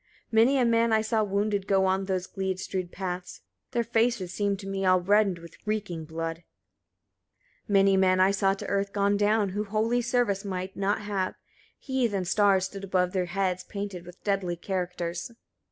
59. Many a man I saw wounded go on those gleed strewed paths; their faces seemed to me all reddened with reeking blood. 60. Many men I saw to earth gone down, who holy service might not have; heathen stars stood above their heads, painted with deadly characters.